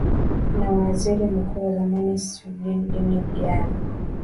ni waziri mkuu wa zamani seloun denien dialo